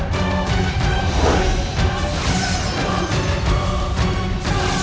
jadi menjadi satu kom increase routines dan